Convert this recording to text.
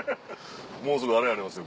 もうすぐあれありますよ